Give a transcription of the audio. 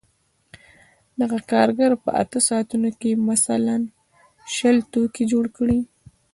دغه کارګر په اته ساعتونو کې مثلاً شل توکي جوړ کړي